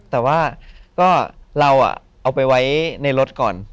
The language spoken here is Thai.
แต่ว่าก็เราเอาไปไว้ในรถก่อน